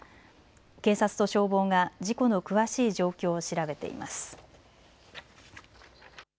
警察と消防が事故の詳しい状況を調べています。